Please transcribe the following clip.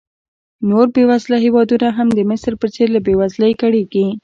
نور بېوزله هېوادونه هم د مصر په څېر له بېوزلۍ کړېږي.